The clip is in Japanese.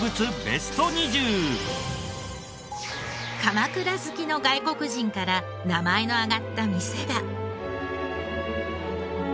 鎌倉好きの外国人から名前が挙がった店が。